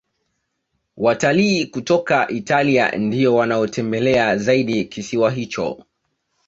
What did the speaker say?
Watalii kutoka italia ndiyo wanaotembelea zaidi kisiwa hicho